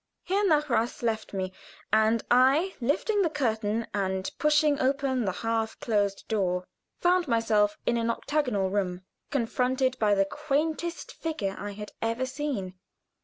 Herr Nahrath left me, and I, lifting the curtain and pushing open the half closed door, found myself in an octagonal room, confronted by the quaintest figure I had ever seen.